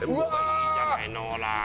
いいじゃないのほら。